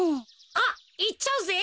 あっいっちゃうぜ。